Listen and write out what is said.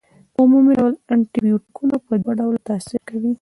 په عمومي ډول انټي بیوټیکونه په دوه ډوله تاثیر کوي.